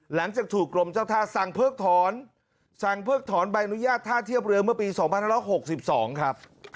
หลังจากถูกกรมเจ้าท่าสั่งเพิกถอนสั่งเพิกถอนใบอนุญาตท่าเทียบเรือเมื่อปี๒๑๖๒ครับ